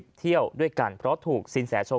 เนื่องจากว่าอยู่ระหว่างการรวมพญาหลักฐานนั่นเองครับ